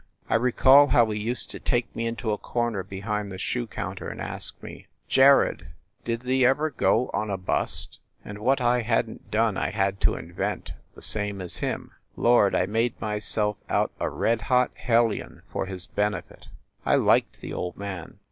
I recall how he used to take me into a corner behind the shoe counter and ask me, "Jared, did thee ever go on a bust?" And what I hadn t done I had to invent, the same as him. Lord, I made myself out a red hot hellion for his benefit! I liked the old man.